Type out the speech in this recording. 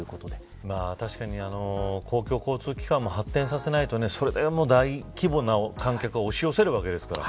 確かに公共交通機関も発展させないとそれはもう、大規模な観客が押し寄せるわけですから。